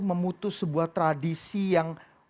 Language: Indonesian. memutus sebuah tradisi yang